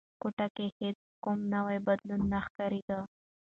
کوټه کې هیڅ کوم نوی بدلون نه ښکارېده.